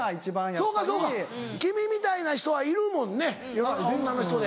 そうかそうか君みたいな人はいるもんね世の中女の人で。